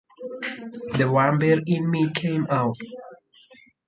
The vampire in me came out.